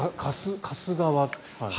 貸す側。